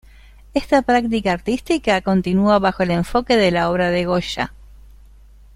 Esta práctica artística continúa bajo el enfoque de la obra de Goya.